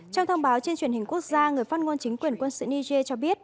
trong thông báo trên truyền hình quốc gia người phát ngôn chính quyền quân sự niger cho biết